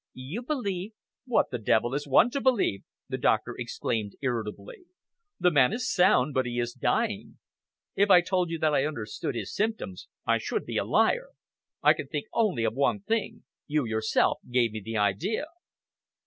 "You believe " "What the devil is one to believe?" the doctor exclaimed irritably. "The man is sound, but he is dying. If I told you that I understood his symptoms, I should be a liar. I can think only of one thing. You yourself gave me the idea."